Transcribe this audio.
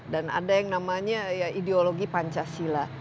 dan ada yang namanya ideologi pancasila